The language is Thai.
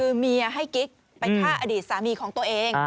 คือเมียให้กิ๊กไปฆ่าอดีตสามีของตัวเอง